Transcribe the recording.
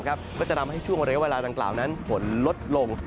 ก็จะทำให้ช่วงเรียกเวลาดังกล่าวนั้นฝนลดลง